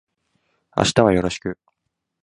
明日はよろしく